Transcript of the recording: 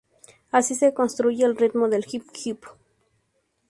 Así se construye el ritmo del hip hop.